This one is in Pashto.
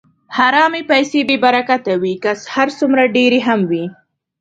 حرامې پیسې بېبرکته وي، که هر څومره ډېرې هم وي.